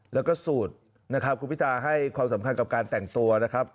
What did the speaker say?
แล้วก็สูตรนะครับคุณพิตาให้ความสำคัญกับการแต่งตัวนะครับ